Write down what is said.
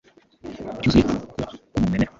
Byuzuye gukura kumuntu, wemera,